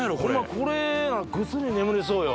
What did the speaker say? これならぐっすり眠れそうよ